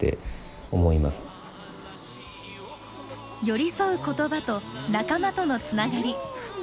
寄り添う言葉と仲間とのつながり。